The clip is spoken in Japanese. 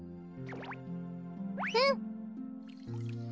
うん！